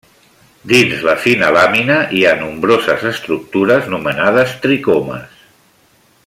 Dins la fina làmina hi ha nombroses estructures nomenades tricomes.